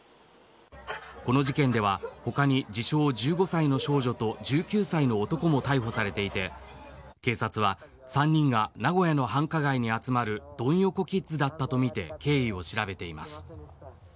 この事件では他に自称１５歳の少女と１９歳の男も逮捕されていて警察は３人が名古屋の繁華街に集まるドン横キッズだったとみて経緯を調べています。